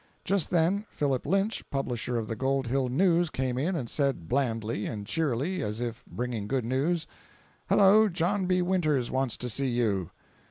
Just then, Philip Lynch, Publisher of the Gold Hill News, came in and said, blandly and cheerily, as if bringing good news: "Hello, John B. Winters wants to see you."